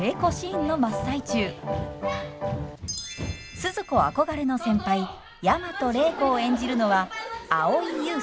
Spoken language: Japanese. スズ子憧れの先輩大和礼子を演じるのは蒼井優さん。